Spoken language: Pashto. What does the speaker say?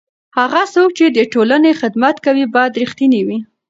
هغه څوک چې د ټولنې خدمت کوي باید رښتینی وي.